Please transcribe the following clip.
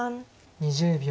２０秒。